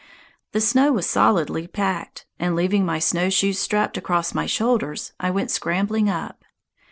The snow was solidly packed, and, leaving my snowshoes strapped across my shoulders, I went scrambling up.